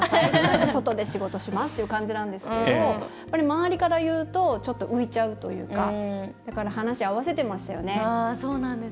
私、外で仕事しますという感じなんですけど周りから言うとちょっと浮いちゃうというか話、合わせてましたよね。